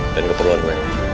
dan keperluan gue